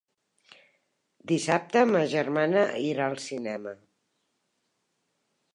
Dissabte ma germana irà al cinema.